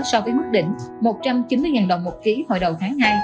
so với mức đỉnh một trăm chín mươi ngàn đồng một kg hồi đầu tháng hai